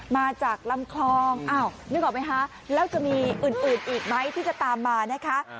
มาจากลำคลองอ้าวนึกออกไหมคะแล้วจะมีอื่นอีกไหมที่จะตามมานะคะ